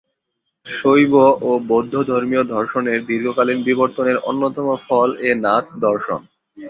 শৈব ও বৌদ্ধধর্মীয় দর্শনের দীর্ঘকালীন বিবর্তনের অন্যতম ফল এ নাথ দর্শন।